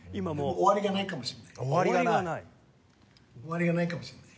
終わりがないかもしれません。